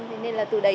thế nên là từ đấy